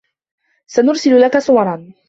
سنرسل لك صورا.